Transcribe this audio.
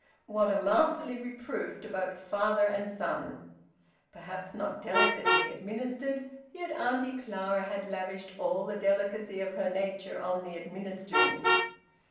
What a masterly reproof to both father and son! Perhaps not delicately administered. Yet Auntie Clara had lavished all the delicacy of her nature on the administering!